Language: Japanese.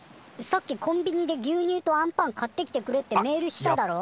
さっき「コンビニで牛乳とあんパン買ってきてくれ」ってメールしただろ？